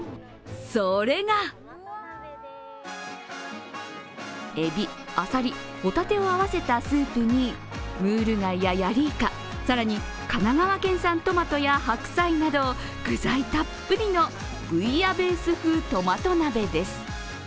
それがえび、アサリ、ほたてを合わせたスープに更に神奈川県産トマトや白菜など具材たっぷりのブイヤベース風トマト鍋です。